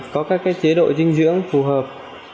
có các chế độ dinh dưỡng phù hợp